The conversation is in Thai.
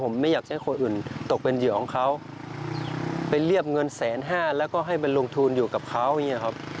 ผมไม่อยากให้คนอื่นตกเป็นเหยื่อของเขาไปเรียบเงินแสนห้าแล้วก็ให้ไปลงทุนอยู่กับเขาอย่างนี้ครับ